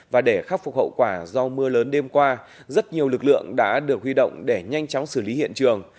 và để khắc phục hậu quả do mưa lớn đêm qua rất nhiều lực lượng đã được huy động để nhanh chóng xử lý hiện trường